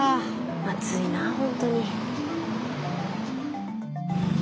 暑いなほんとに。